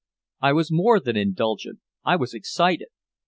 I was more than indulgent, I was excited.